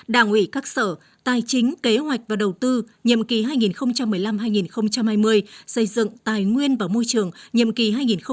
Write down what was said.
đảng ủy các sở tài chính kế hoạch và đầu tư nhiệm kỳ hai nghìn một mươi năm hai nghìn hai mươi xây dựng tài nguyên và môi trường nhiệm kỳ hai nghìn hai mươi hai nghìn hai mươi năm